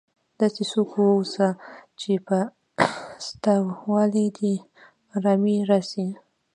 داسي څوک واوسه، چي په سته والي دي ارامي راسي.